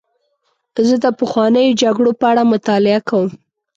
زه د پخوانیو جګړو په اړه مطالعه کوم.